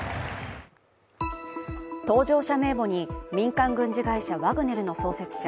搭乗者名簿に民間軍事会社ワグネルの創設者